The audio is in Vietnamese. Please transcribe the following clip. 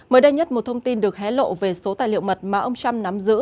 mới đây nhất một thông tin được hé lộ về số tài liệu mật mà ông trump nắm giữ